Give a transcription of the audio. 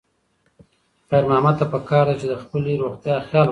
خیر محمد ته پکار ده چې د خپلې روغتیا خیال وساتي.